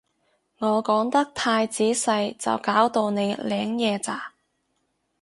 我講得太仔細就搞到你領嘢咋